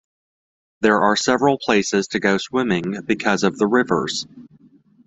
There are several places to go swimming because of the rivers.